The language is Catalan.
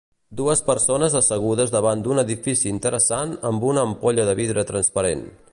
Dues persones assegudes davant d'un edifici interessant amb una ampolla de vidre transparent.